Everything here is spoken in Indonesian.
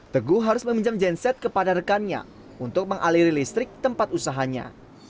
teguh harus meminjam genset kepada rekannya untuk mengaliri listrik tempat usahanya